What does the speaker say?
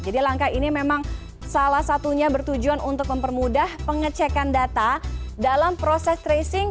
jadi langkah ini memang salah satunya bertujuan untuk mempermudah pengecekan data dalam proses tracing